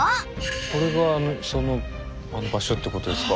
これがそのあの場所ってことですか？